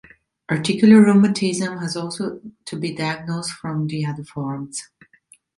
Articular rheumatism has also to be diagnosed from the other forms.